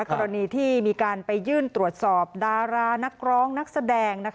กรณีที่มีการไปยื่นตรวจสอบดารานักร้องนักแสดง